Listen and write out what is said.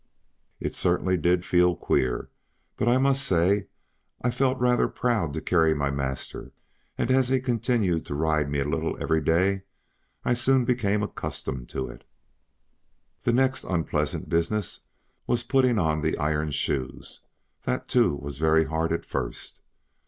It certainly did feel queer; but I must say I felt rather proud to carry my master, and as he continued to ride me a little every day, I soon became accustomed to it. The next unpleasant business was putting on the iron shoes; that too was very hard at first.